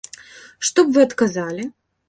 Што б вы адказалі?